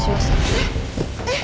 えっえっ！？